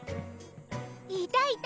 いたいた！